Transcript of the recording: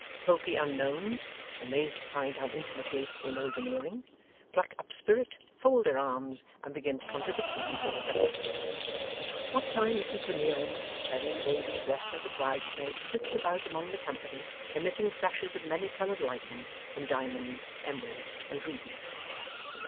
Pokey unknowns, amazed to find how intimately they know Veneering, pluck up spirit, fold their arms, and begin to contradict him before breakfast. What time Mrs Veneering, carrying baby dressed as a bridesmaid, flits about among the company, emitting flashes of many coloured lightning from diamonds, emeralds, and rubies.